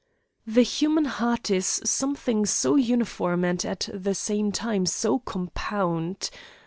The human heart is something so uniform and at the same time so compound!